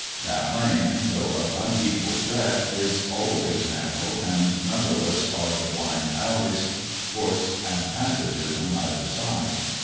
That lane, though of unequal breadth, is always narrow, and numberless are the blind alleys, courts, and passages on either side.